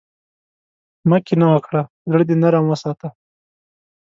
مه کینه وکړه، زړۀ دې نرم وساته.